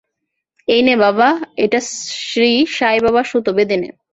এইনে বাবা, এটা শ্রী সাই বাবার সুতো, বেধে নে।